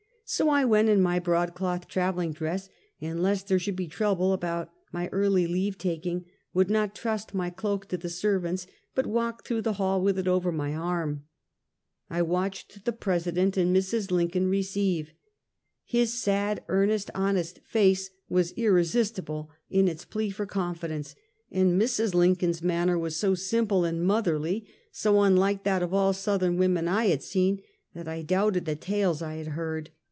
So I went in my broadcloth traveling dress, and lest there should be trouble about my early leave taking, would not trust my cloak to the servants, but walked through the hall with it over my arm. I watched the President and Mrs. Lincoln receive. His sad, earnest, honest face was irresistible in its plea for confidence, and Mrs. Lincoln's manner was so simple and motherly, so unlike that of all Southern women I had seen, that I doubted the tales I had heard.